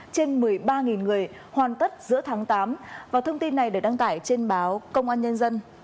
trên một mươi ba người hoàn tất giữa tháng tám và thông tin này được đăng tải trên báo công an nhân dân